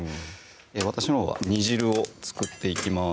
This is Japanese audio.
私のほうは煮汁を作っていきます